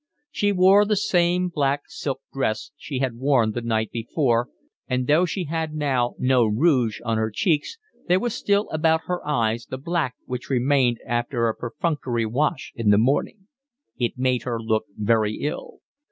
She wore the same black silk dress she had worn the night before, and, though she had now no rouge on her cheeks, there was still about her eyes the black which remained after a perfunctory wash in the morning: it made her look very ill.